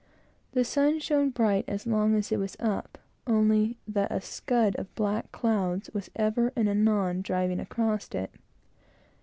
The sun shone bright as long as it was up, only that a scud of black clouds was ever and anon driving across it.